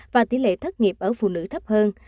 và tỷ lệ thất nghiệp ở phụ nữ thấp hơn